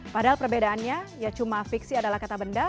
padahal perbedaannya ya cuma fiksi adalah kata benda